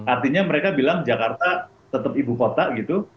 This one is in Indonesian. artinya mereka bilang jakarta tetap ibu kota gitu